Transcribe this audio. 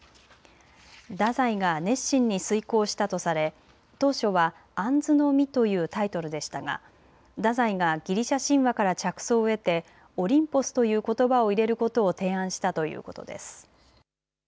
太宰が熱心に推こうしたとされ当初は杏の実というタイトルでしたが太宰がギリシャ神話から着想を得てオリンポスということばを入れることを提案したということです。